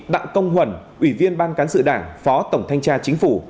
đặng công hẩn ủy viên ban cán sự đảng phó tổng thanh tra chính phủ